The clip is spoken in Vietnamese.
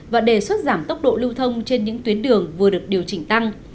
và đề xuất giảm tốc độ lưu thông trên những tuyến đường vừa được điều chỉnh tăng